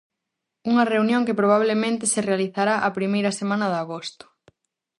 Unha reunión que probablemente se realizará a primeira semana de agosto.